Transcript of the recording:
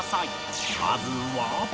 まずは